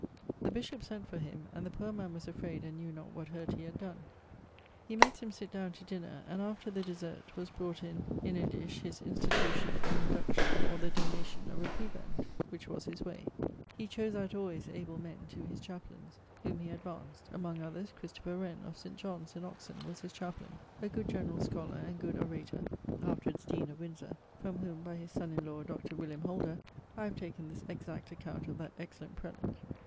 The bishop sent for him, and the poor man was afrayd and knew not what hurt he had donne. makes him sitt downe to dinner; and, after the desert, was brought in in a dish his institution and induction, or the donation, of a prebend: which was his way. He chose out alwayes able men to his chaplaines, whom he advanced. Among others, Wren, of St. John's in Oxon, was his chaplaine, a good generall scholar and good orator, afterwards deane of Winsore, from whom (by his son in lawe, Dr. William Holder) I have taken this exact account of that excellent prelate.